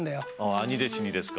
兄弟子にですか。